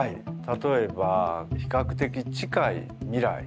例えば比較的近い未来